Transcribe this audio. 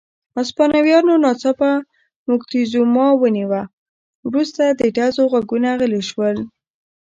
هسپانویانو ناڅاپه موکتیزوما ونیوه، وروسته د ډزو غږونه غلي شول.